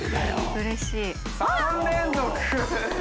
うれしい。